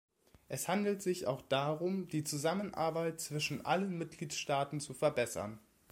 Es handelt sich auch darum, die Zusammenarbeit zwischen allen Mitgliedstaaten zu verbessern.